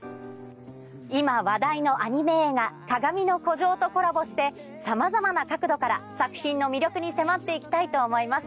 今話題のアニメ映画『かがみの孤城』とコラボしてさまざまな角度から作品の魅力に迫って行きたいと思います。